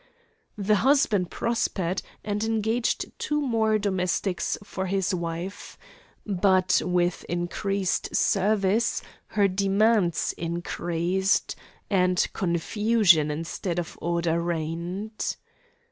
The husband prospered, and engaged two more domestics for his wife. But with increased service her demands increased and confusion instead of order reigned.